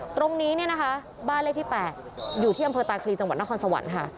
ตรงนี้เนี่ยนะคะบ้านเลขที่๘อยู่ที่อำเภอตาคลีจังหวัดนครสวรรค์ค่ะ